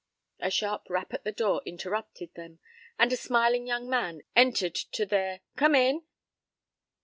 A sharp rap at the door interrupted them, and a smiling young man entered to to their "Come in."